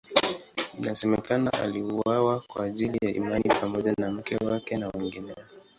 Inasemekana aliuawa kwa ajili ya imani pamoja na mke wake na wengineo.